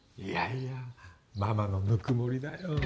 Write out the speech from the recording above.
いやいやママのぬくもりだよ。